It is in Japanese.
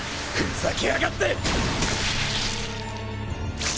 ふざけやがって！